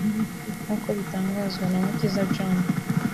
nk’uko bitangazwa na Mukiza John